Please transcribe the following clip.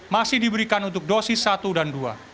masih diberikan untuk dosis satu dan dua